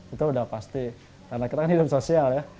itu udah pasti karena kita kan hidup sosial ya